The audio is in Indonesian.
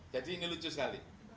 jadi ini lucu sekali